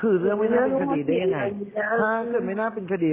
คือเรื่องไม่น่าเป็นคดีได้ยังไงถ้าเกิดไม่น่าเป็นคดี